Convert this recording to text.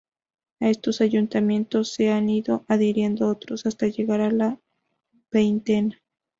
A estos ayuntamientos se han ido adhiriendo otros, hasta llegar a la veintena.